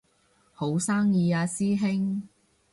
好生意啊師兄